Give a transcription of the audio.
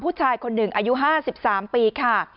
ผู้ชายคนหนึ่งอายุห้าสิบสามปีค่ะ